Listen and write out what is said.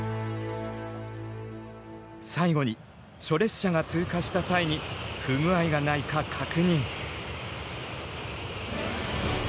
最後に初列車が通過した際に不具合がないか確認。